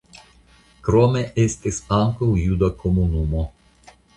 Krome estis ankaŭ juda komunumo.